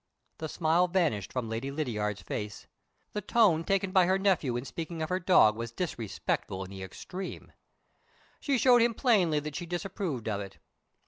The smile vanished from Lady Lydiard's face; the tone taken by her nephew in speaking of her dog was disrespectful in the extreme. She showed him plainly that she disapproved of it.